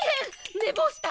ねぼうした！